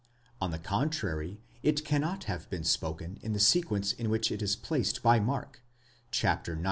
On the contrary, it cannot have been spoken in the sequence in which it is placed by Mark (ix.